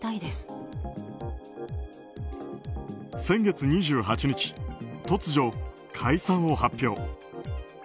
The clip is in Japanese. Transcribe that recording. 先月２８日、突如解散を発表。